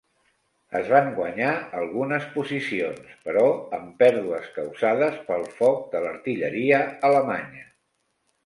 Es van guanyar algunes posicions, però amb pèrdues causades pel foc de l'artilleria alemanya.